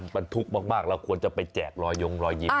บรรทุกมากเราควรจะไปแจกรอยยงรอยยิ้ม